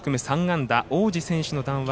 ３安打の大路選手の談話